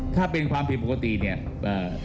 ถ้าเป็นความผิดปกติเนี่ย